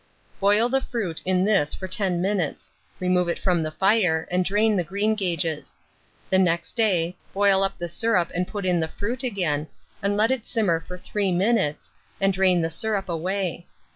Boil the fruit in this for 10 minutes, remove it from the fire, and drain the greengages. The next day, boil up the syrup and put in the fruit again, and let it simmer for 3 minutes, and drain the syrup away.